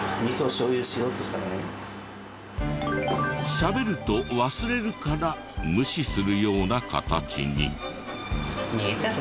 しゃべると忘れるから無視するような形に。